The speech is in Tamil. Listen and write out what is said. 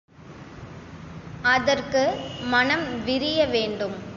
அதற்கு மனம் விரிய வேண்டும்.